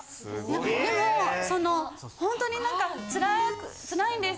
でもそのホントになんかつらくつらいんです